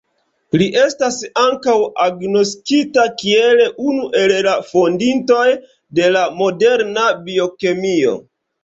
Li estas ankaŭ agnoskita kiel unu el la fondintoj de la moderna biokemio.